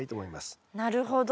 なるほど。